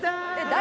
「誰？